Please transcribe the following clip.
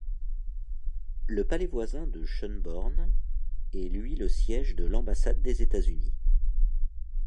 Le palais voisin de Schönborn est lui le siège de l'ambassade des États-Unis.